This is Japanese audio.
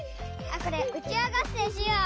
あっこれうちわがっせんしよう！